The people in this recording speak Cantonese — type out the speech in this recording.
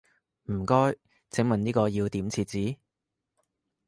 唔該，請問呢個要點設置？